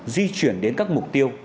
di chuyển đến các mục tiêu